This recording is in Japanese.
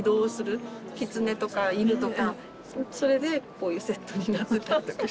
キツネとか犬とかそれでこういうセットになってたりとかして。